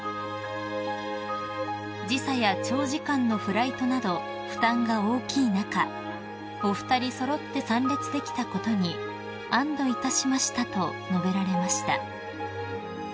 ［時差や長時間のフライトなど負担が大きい中お二人揃って参列できたことに「安堵いたしました」と述べられました］